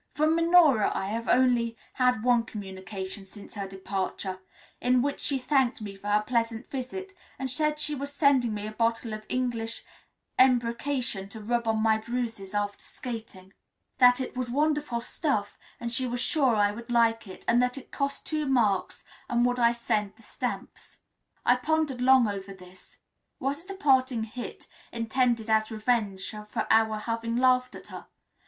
From Minora I have only had one communication since her departure, in which she thanked me for her pleasant visit, and said she was sending me a bottle of English embrocation to rub on my bruises after skating; that it was wonderful stuff, and she was sure I would like it; and that it cost two marks, and would I send stamps. I pondered long over this. Was it a parting hit, intended as revenge for our having laughed at her?